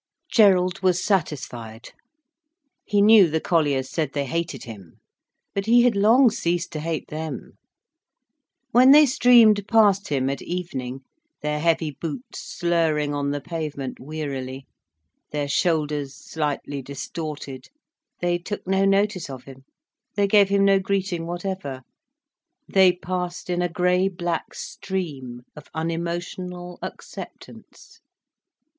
Gerald was satisfied. He knew the colliers said they hated him. But he had long ceased to hate them. When they streamed past him at evening, their heavy boots slurring on the pavement wearily, their shoulders slightly distorted, they took no notice of him, they gave him no greeting whatever, they passed in a grey black stream of unemotional acceptance.